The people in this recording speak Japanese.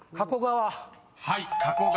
「加古川」